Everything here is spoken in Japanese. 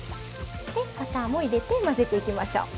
でバターも入れて混ぜていきましょう。